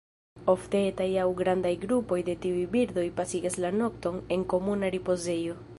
Ofte etaj aŭ grandaj grupoj de tiuj birdoj pasigas la nokton en komuna ripozejo.